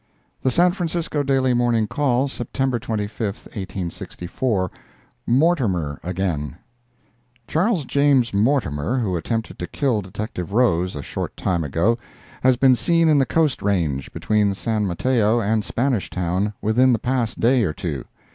The San Francisco Daily Morning Call, September 25, 1864 MORTIMER AGAIN Charles James Mortimer, who attempted to kill Detective Rose, a short time ago, has been seen in the coast range, between San Mateo and Spanishtown, within the past day or two.